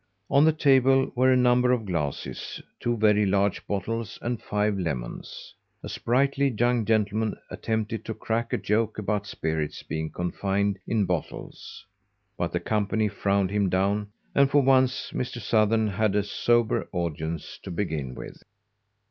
On the table were a number of glasses, two very large bottles, and five lemons. A sprightly young gentleman attempted to crack a joke about spirits being confined in bottles, but the company frowned him down, and for once Mr. Sothern had a sober audience to begin with.